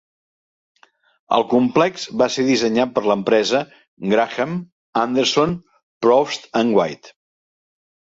El complex va ser dissenyat per l'empresa Graham, Anderson, Probst and White.